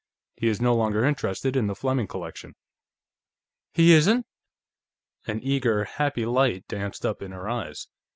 He is no longer interested in the Fleming collection." "He isn't?" An eager, happy light danced up in her eyes.